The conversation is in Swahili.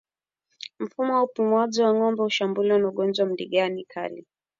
Mfumo wa upumuaji wa ngombe hushambuliwa na ugonjwa wa ndigana kali